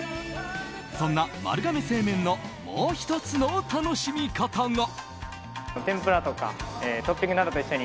そんな丸亀製麺のもう１つの楽しみ方が。